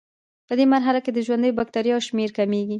پدې مرحله کې د ژوندیو بکټریاوو شمېر کمیږي.